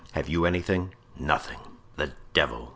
Have you anything?" "Nothing." "The devil!"